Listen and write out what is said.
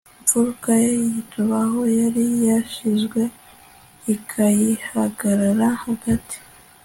mfuruka y'igituba aho yari yashyizwe ikayihagarara hagati